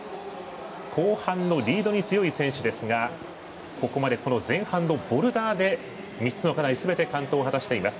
後半のリードに強い選手ですがここまで前半のボルダーですべて完登を果たしています。